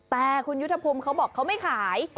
แต่คุณยุทธภูมิเขาบอกเขาไม่ขาย